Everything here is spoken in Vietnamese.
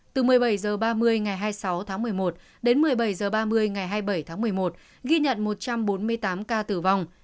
từ một mươi bảy h ba mươi ngày hai mươi sáu tháng một mươi một đến một mươi bảy h ba mươi ngày hai mươi bảy tháng một mươi một ghi nhận một trăm bốn mươi tám ca tử vong